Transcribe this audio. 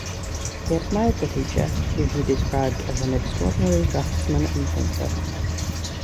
He admired the teacher, whom he described as an extraordinary draftsman and painter.